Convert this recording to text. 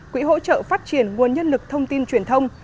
quỹ hỗ trợ phát triển nguồn nhân lực thông tin truyền thông